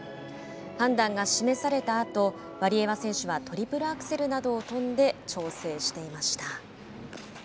判断が示されたあとワリエワ選手はトリプルアクセルなどを跳んで調整していました。